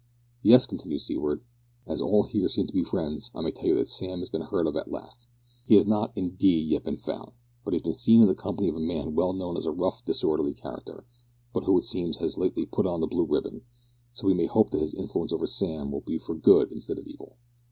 "Yes," continued Seaward; "as all here seem to be friends, I may tell you that Sam has been heard of at last. He has not, indeed, yet been found, but he has been seen in the company of a man well known as a rough disorderly character, but who it seems has lately put on the blue ribbon, so we may hope that his influence over Sam will be for good instead of evil."